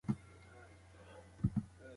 دا علم تر نورو ډېره مرسته کوي.